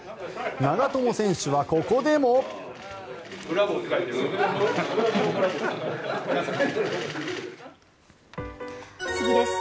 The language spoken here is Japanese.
長友選手はここでも。次です。